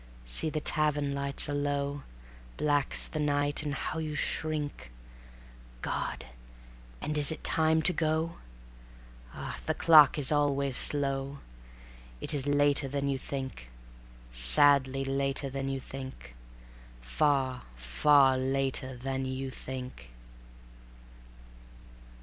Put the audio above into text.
See! the tavern lights are low; Black's the night, and how you shrink! God! and is it time to go? Ah! the clock is always slow; It is later than you think; Sadly later than you think; Far, far later than you think.